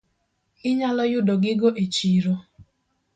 Inyalo yudo gigo e chiro.